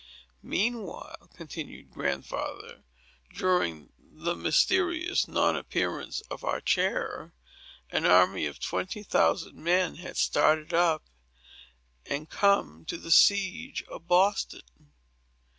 "Meanwhile," continued Grandfather, "during the mysterious non appearance of our chair, an army of twenty thousand men had started up, and come to the siege of Boston.